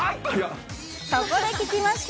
そこで聞きました。